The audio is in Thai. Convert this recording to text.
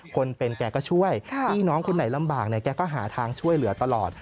คนเป็นแกก็ช่วยพี่น้องคนไหนลำบากเนี่ยแกก็หาทางช่วยเหลือตลอด